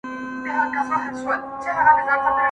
• ليکوال د وينو ټپونو او وسايلو له لارې يو دروند حالت جوړوي..